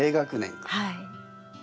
はい。